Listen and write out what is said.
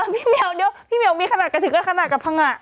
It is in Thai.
พี่เมียลเดี๋ยวพี่เมียลมีขนาดกระถึงแล้วขนาดกระพงะ